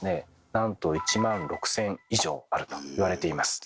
なんと１万６，０００以上あるといわれています。